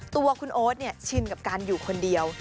ตัวคุณโอ๊ตชินกับการอยู่คนเดียว